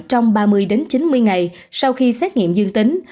trong ba mươi chín mươi ngày sau khi xét nghiệm dương tính